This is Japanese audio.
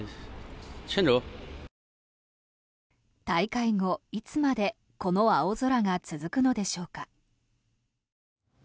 大会後、いつまでこの青空が続くのでしょうか。